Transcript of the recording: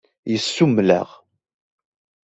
Yessummel-aɣ.